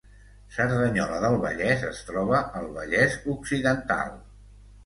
Cerdanyola del Vallès es troba al Vallès Occidental